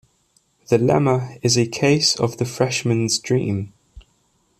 The lemma is a case of the freshman's dream.